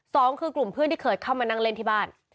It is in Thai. สองคือกลุ่มเพื่อนที่เคยเข้ามานั่งเล่นที่บ้าน